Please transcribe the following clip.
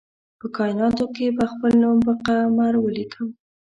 په کائیناتو کې به خپل نوم پر قمر ولیکم